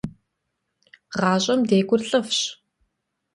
ГъашӀэм декӀур лӀыфӀщ.